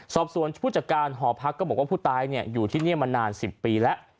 สอบสวนผู้จัดการหอพักก็บอกว่าผู้ตายอยู่ที่นี่มานาน๑๐ปีแล้ว